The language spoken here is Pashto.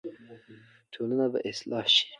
ټولنه به اصلاح شي.